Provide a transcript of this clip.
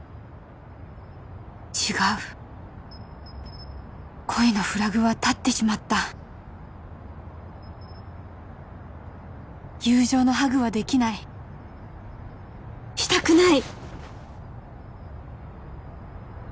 違う恋のフラグは立ってしまった友情のハグはできないしたくない！